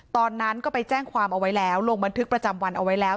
ตอนนั้นก็ไปแจ้งความเอาไว้แล้วลงบันทึกประจำวันเอาไว้แล้ว